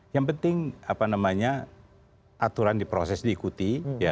yang penting apa namanya aturan di proses diikuti